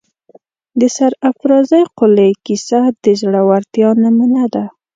د سرافرازۍ قلعې کیسه د زړه ورتیا نمونه ده.